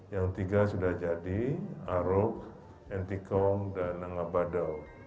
yang tiga sudah jadi arok entikong dan nangabado